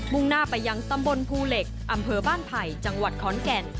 ่งหน้าไปยังตำบลภูเหล็กอำเภอบ้านไผ่จังหวัดขอนแก่น